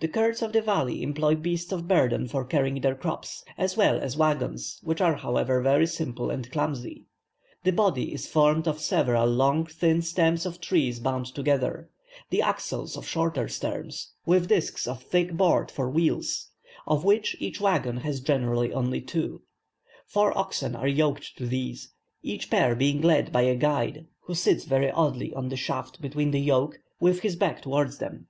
The Kurds of the valleys employ beasts of burden for carrying their crops, as well as waggons, which are however very simple and clumsy. The body is formed of several long thin stems of trees bound together; the axles of shorter stems, with disks of thick board for wheels, of which each waggon has generally only two. Four oxen are yoked to these, each pair being led by a guide, who sits very oddly on the shaft between the yoke, with his back towards them.